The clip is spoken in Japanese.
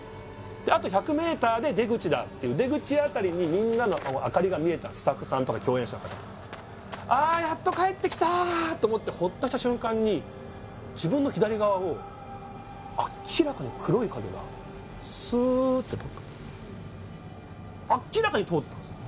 であと１００ｍで出口だっていう出口辺りにみんなの明かりが見えたスタッフさんとか共演者の方達の「あっやっと帰ってきたー」と思ってホッとした瞬間に自分の左側を明らかに明らかに通ったんすよ